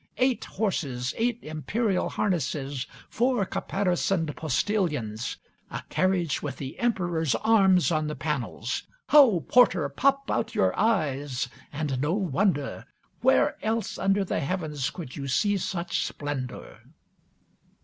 Eight horses, eight Imperial harnesses, four caparisoned postilions, a carriage with the Emperor's arms on the panels. Ho, Porter, pop out your eyes, and no wonder. Where else under the Heavens could you see such splendour!